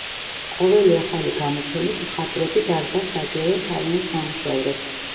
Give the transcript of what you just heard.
ყოველი ახალი გამოფენით, მხატვრები დარბაზს აძლევენ თავიანთ ნამუშევრებს.